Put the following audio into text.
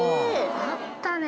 あったね